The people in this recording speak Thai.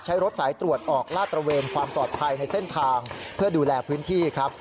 ใช้รถสายตรวจออกลาดตระเวนความปลอดภัยในเส้นทางเพื่อดูแลพื้นที่ครับ